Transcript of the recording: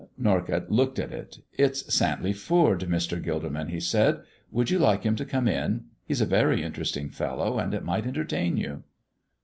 Norcott looked at it. "It's Santley Foord, Mr. Gilderman," he said. "Would you like him to come in? He's a very interesting fellow, and it might entertain you."